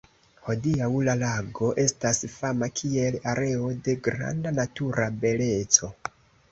Hodiaŭ la lago estas fama kiel areo de granda natura beleco.